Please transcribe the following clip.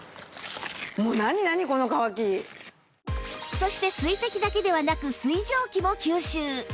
そして水滴だけではなく水蒸気も吸収